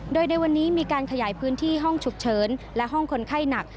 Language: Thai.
โดยในวันนี้มีการขยายพื้นที่ห้องฉุกเฉินและห้องคนไข้หนัก